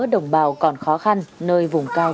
đồng bào còn khó khăn nơi vùng cao